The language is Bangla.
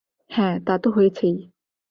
হ্যাঁ, তা তো হয়েছেই।